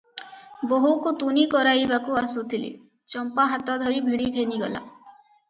ବୋହୂକୁ ତୁନି କରାଇବାକୁ ଆସୁଥିଲେ, ଚମ୍ପା ହାତ ଧରି ଭିଡ଼ି ଘେନିଗଲା ।